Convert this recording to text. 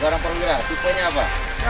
seorang perwira tipenya apa